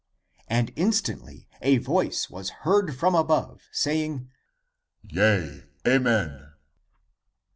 And instantly a voice was heard from above, saying, " Yea, Amen